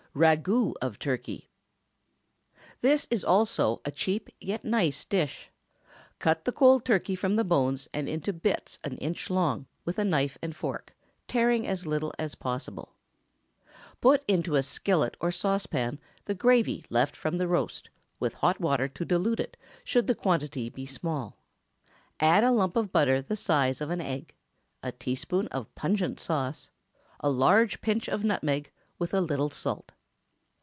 RAGOÛT OF TURKEY. This is also a cheap, yet nice dish. Cut the cold turkey from the bones and into bits an inch long with knife and fork, tearing as little as possible. Put into a skillet or saucepan the gravy left from the roast, with hot water to dilute it should the quantity be small. Add a lump of butter the size of an egg, a teaspoonful of pungent sauce, a large pinch of nutmeg, with a little salt.